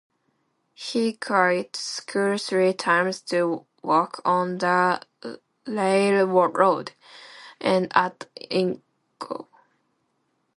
He quit school three times to work on the railroad, and at Inco.